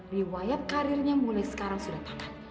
riwayat karirnya mulai sekarang sudah tahan